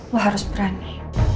lo harus berani